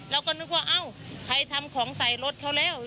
เราก็นึกว่าเอ้าใครทำของใส่รถเขาแล้ว